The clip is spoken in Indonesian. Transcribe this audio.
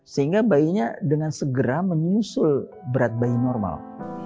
sehingga bayinya dengan segera menyusul berat bayi normal